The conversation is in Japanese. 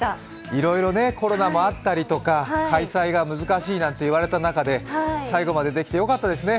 いろいろコロナもあったりとか開催が難しいと言われた中で最後までできてよかったですね。